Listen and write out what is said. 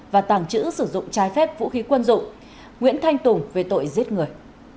và tàng trữ sử dụng trái phép vũ khí quân dụng nguyễn thanh tùng về tội giết người